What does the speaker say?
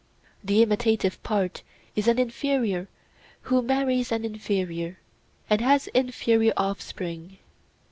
The imitative art is an inferior who marries an inferior, and has inferior offspring.